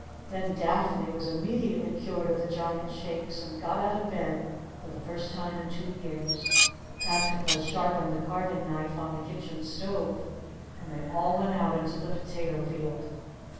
Then Daphne was immediately cured of the Giant's Shakes, and got out of bed for the first time in two years. Patroclus sharpened the carving knife on the kitchen stove, and they all went out into the potato field.